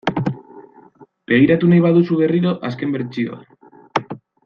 Begiratu nahi baduzu berriro azken bertsioa .